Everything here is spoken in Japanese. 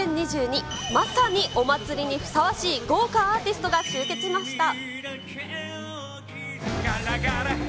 まさにお祭りにふさわしい豪華アーティストが集結しました。